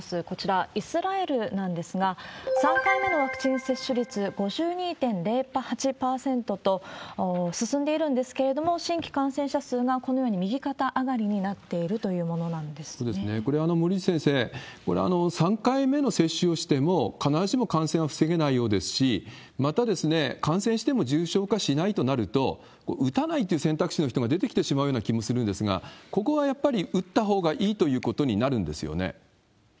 こちら、イスラエルなんですが、３回目のワクチン接種率５２．０８％と進んでいるんですけれども、新規感染者数がこのように右肩上がりになっているというものなんこれ、森内先生、これ、３回目の接種をしても必ずしも感染は防げないようですし、また、感染しても重症化しないとなると、打たないという選択肢の人が出てきてしまうような気もするんですが、ここはやっぱり打ったほうがいいということになるんですよね。